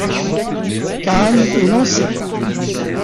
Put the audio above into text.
Cannes est lancée.